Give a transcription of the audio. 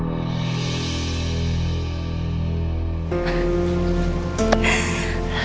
laki laki itu masih hidup